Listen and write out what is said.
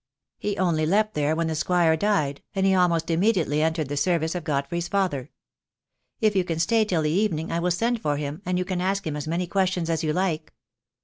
He only left there when the Squite died, and he almost immediately entered the service of Godfrey's father. If you can stay till the evening I will send for him, and you can ask him as many questions as you like."